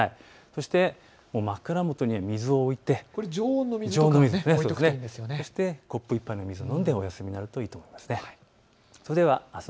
そして枕元には水を置いて常温の水、コップ１杯の水を飲んでお休みになるといいと思います。